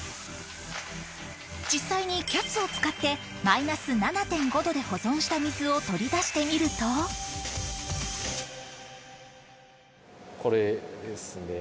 実際にＣＡＳを使ってマイナス７．５℃で保存した水を取り出してみるとこれですね。